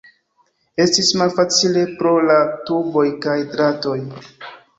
Estis malfacile pro la tuboj kaj dratoj.